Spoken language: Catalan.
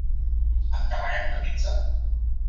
Encarreguem una pizza?